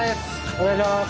お願いします。